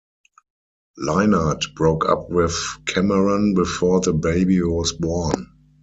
Leinart broke up with Cameron before the baby was born.